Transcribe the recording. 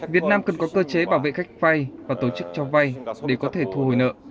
việt nam cần có cơ chế bảo vệ khách vai và tổ chức cho vai để có thể thùi nợ